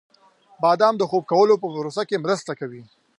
• بادام د خوب کولو په پروسه کې مرسته کوي.